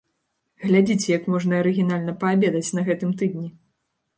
Глядзіце, як можна арыгінальна паабедаць на гэтым тыдні!